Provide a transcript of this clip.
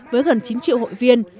với gần chín triệu hội viên